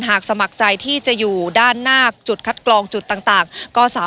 หากสมักใจที่จะอยู่ด้านหน้าจุดคัดกรองจุดก็สา